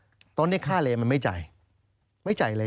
เพราะว่ารายเงินแจ้งไปแล้วเพราะว่านายจ้างครับผมอยากจะกลับบ้านต้องรอค่าเรนอย่างนี้